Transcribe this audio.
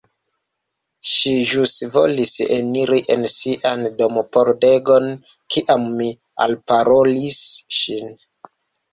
Ŝi ĵus volis eniri en sian dompordegon, kiam mi alparolis ŝin!